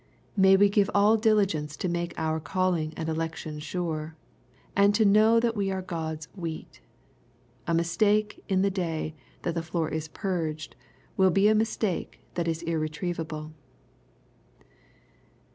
May we give all diligence to make our calling and election sure, and to know that we are God's " wheat/' A mistake in the day that the floor is " purged," will be a mistake that is irretrievable.